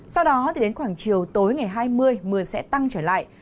sau đó đến khoảng chiều tối ngày hai mươi mưa sẽ tăng trở lại